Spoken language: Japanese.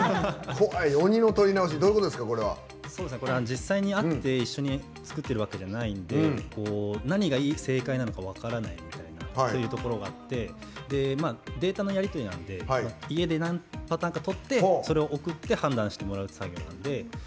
実際に会って一緒に作ってるわけじゃないんで何が正解なのか分からないというところがあってデータのやり取りなんで家で何パターンか録ってそれを送って判断してもらうって作業なんで。